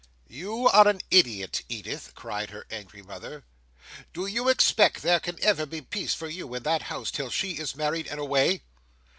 "You are an idiot, Edith," cried her angry mother. "Do you expect there can ever be peace for you in that house, till she is married, and away?"